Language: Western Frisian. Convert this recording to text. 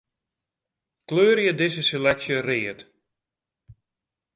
Kleurje dizze seleksje read.